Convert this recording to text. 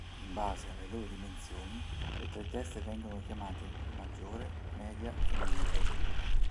In base alle loro dimensioni le tre teste vengono chiamate "maggiore", "media" e "minore".